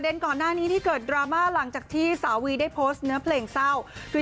ทุกชาวเน็ตที่เค้าใจผิดคิดไปว่าเอิ๊ยวีและก้าวจีรายุเลิกกันแล้ว